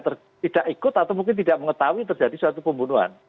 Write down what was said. tidak ikut atau mungkin tidak mengetahui terjadi suatu pembunuhan